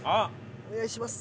お願いします。